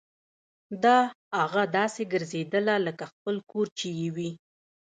داه اغه داسې ګرځېدله لکه خپل کور چې يې وي.